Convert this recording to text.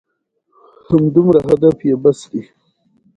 د سرداد مددخان ساکزي مقبره د نوزاد په دوسنګ کي ده.